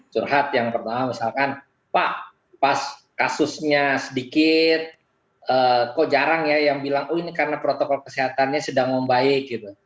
curhat yang pertama misalkan pak pas kasusnya sedikit kok jarang ya yang bilang oh ini karena protokol kesehatannya sedang membaik gitu